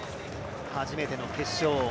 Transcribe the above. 初めての決勝。